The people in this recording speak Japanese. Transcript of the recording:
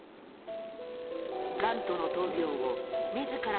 がんとの闘病をみずから